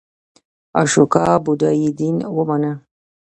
اشوکا بودایی دین ومانه.